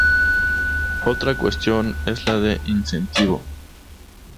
Otra cuestión es la de incentivo.